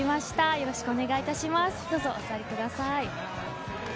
よろしくお願いします。